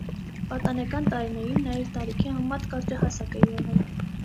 Պատանեկան տարիներին նա իր տարիքի համեմատ կարճահասակ է եղել։